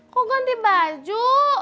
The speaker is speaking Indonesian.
kok ganti baju